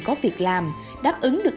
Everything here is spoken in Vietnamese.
có việc làm đáp ứng được